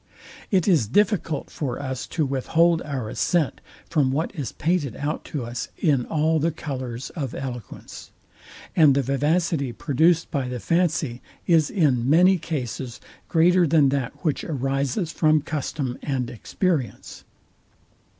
It is difficult for us to withhold our assent from what is painted out to us in all the colours of eloquence; and the vivacity produced by the fancy is in many cases greater than that which arises from custom and experience.